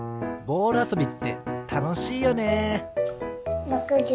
ボールあそびってたのしいよね。